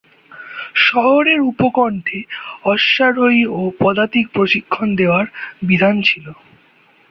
শহরের উপকণ্ঠে অশ্বারোহী ও পদাতিক প্রশিক্ষণ দেওয়ার বিধান ছিল।